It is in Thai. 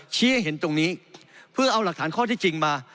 ชี้ให้เห็นตรงนี้เพื่อเอาหลักฐานข้อที่จริงมา